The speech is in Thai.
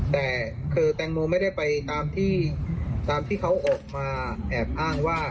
แต่คือแตงโมไม่ได้ไปตามที่ตามที่เขาออกมาแอบอ้างว่า